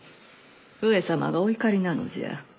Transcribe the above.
上様がお怒りなのじゃ。